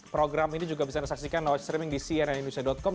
program ini juga bisa anda saksikan lewat streaming di cnnindonesia com